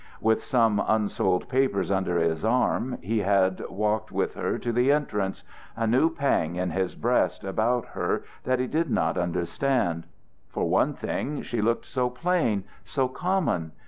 With some unsold papers under his arm he had walked with her to the entrance, a new pang in his breast about her that he did not understand: for one thing she looked so plain, so common.